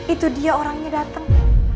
itu dia orangnya dateng